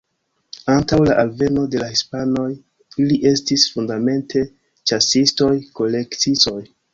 Antaŭ la alveno de la hispanoj ili estis fundamente ĉasistoj-kolektistoj.